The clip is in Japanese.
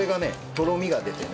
とろみが出てね